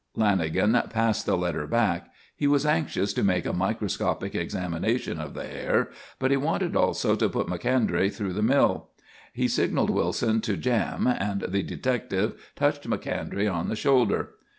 _ Lanagan passed the letter back. He was anxious to make a microscopic examination of the hair, but he wanted also to put Macondray through a mill. He signalled Wilson to "jam," and the detective touched Macondray on the shoulder.